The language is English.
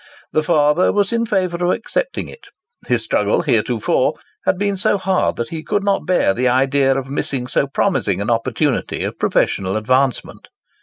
The father was in favour of accepting it. His struggle heretofore had been so hard that he could not bear the idea of missing so promising an opportunity of professional advancement.